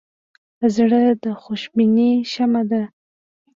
زړه د خوشبینۍ شمعه ده.